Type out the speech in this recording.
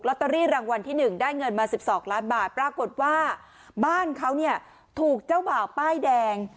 ตอรี่รางวัลที่๑ได้เงินมา๑๒ล้านบาทปรากฏว่าบ้านเขาเนี่ยถูกเจ้าบ่าวป้ายแดง